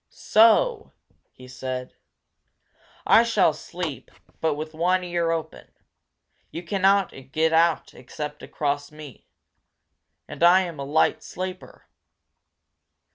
"So!" he said. "I shall sleep but with one ear open! You cannot get out except across me. And I am a light sleeper!"